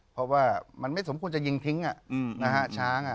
เพราะว่ามันไม่สมควรจะยิงทิ้งนะฮะช้าง